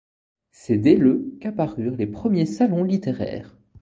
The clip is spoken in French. C’est dès le qu’apparurent les premiers salons littéraires.